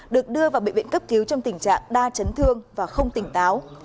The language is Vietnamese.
được đưa vào bệnh viện cấp cứu trong tình trạng đa chấn thương và không tỉnh táo